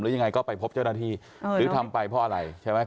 ยังไงก็ไปพบเจ้าหน้าที่หรือทำไปเพราะอะไรใช่ไหม